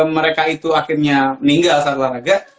mereka itu akhirnya meninggal saat olahraga